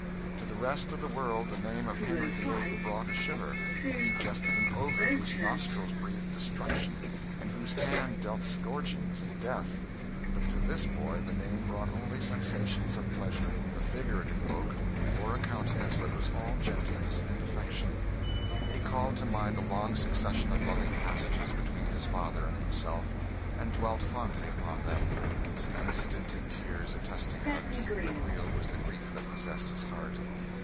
To the rest of the world the name of Henry VIII. brought a shiver, and suggested an ogre whose nostrils breathed destruction and whose hand dealt scourgings and death; but to this boy the name brought only sensations of pleasure; the figure it invoked wore a countenance that was all gentleness and affection. He called to mind a long succession of loving passages between his father and himself, and dwelt fondly upon them, his unstinted tears attesting how deep and real was the grief that possessed his heart.